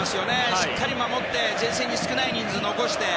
しっかり守って前線に少ない人数を残して。